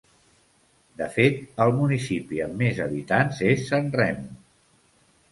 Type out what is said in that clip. De fet, el municipi amb més habitants és Sanremo.